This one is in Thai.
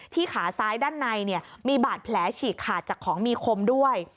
ขาซ้ายด้านในมีบาดแผลฉีกขาดจากของมีคมด้วย